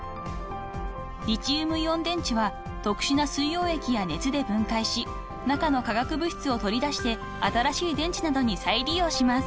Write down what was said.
［リチウムイオン電池は特殊な水溶液や熱で分解し中の化学物質を取り出して新しい電池などに再利用します］